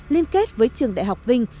liên kết với trường đại học vinh